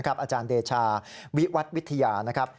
อาจารย์เดชาวิวัทย์วิทยา